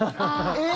えっ？